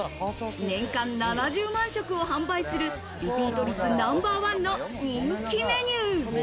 年間７０万食を販売するリピート率ナンバーワンの人気メニュー。